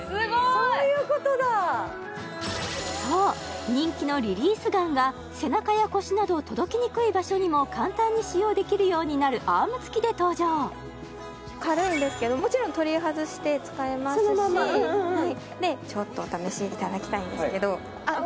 そういうことだそう人気のリリースガンは背中や腰など届きにくい場所にも簡単に使用できるようになるアーム付きで登場軽いんですけどもちろん取り外して使えますしでちょっとお試しいただきたいんですけどあっ